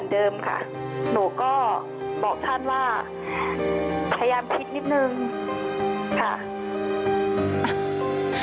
เดิมค่ะหนูก็บอกท่านว่าพยายามคิดนิดนึงค่ะ